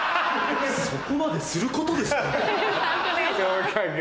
そこまですることですかね？